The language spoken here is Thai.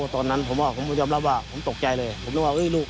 ตอนนั้นผมจอมรับว่าตกใจเลย